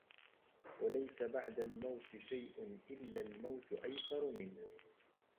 وَلَيْسَ بَعْدَ الْمَوْتِ شَيْءٌ إلَّا الْمَوْتُ أَيْسَرُ مِنْهُ